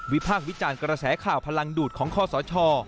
พากษ์วิจารณ์กระแสข่าวพลังดูดของคอสช